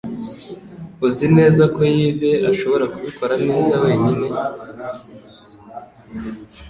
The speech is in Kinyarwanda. Uzi neza ko yves ashobora kubikora wenyine?